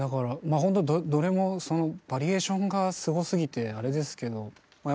まあほんとどれもバリエーションがすごすぎてあれですけどま